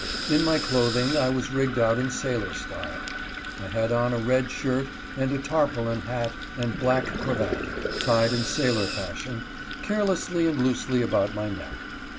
In my clothing I was rigged out in sailor style. I had on a red shirt and a tarpaulin hat and black cravat, tied in sailor fashion, carelessly and loosely about my neck.